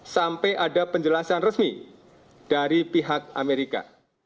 sampai ada penjelasan resmi dari pihak amerika